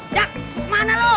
jak mana lu